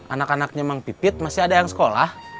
anak anaknya meng pipit masih ada yang sekolah